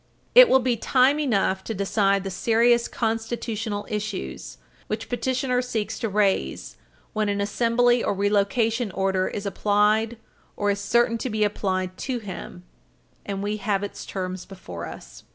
It will be time enough to decide the serious constitutional issues which petitioner seeks to raise when an assembly or relocation order is applied or is certain to be applied to him, and we have its terms before us.